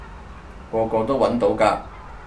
個個都搵到㗎